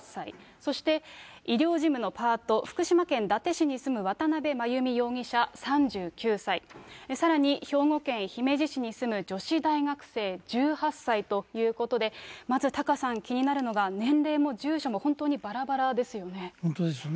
そして医療事務のパート、福島県伊達市に住む渡邉真由美容疑者３９歳、さらに兵庫県姫路市に住む女子大学生１８歳ということで、まずタカさん、気になるのが年齢も住所も本当にばらばらですよね。